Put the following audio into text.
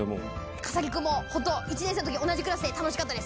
笠置君も、１年生のとき、同じクラスで楽しかったです。